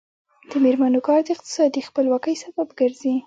د میرمنو کار د اقتصادي خپلواکۍ سبب ګرځي.